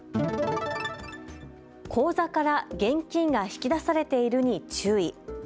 口座から現金が引き出されているに注意。